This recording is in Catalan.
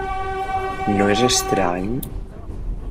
No és estrany?